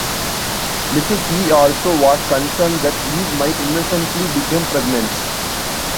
Mrs. E, also, was concerned that Eve might innocently become pregnant.